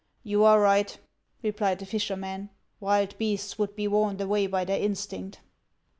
" You are right," replied the fisherman ;" wild beasts would be warned away by their instinct."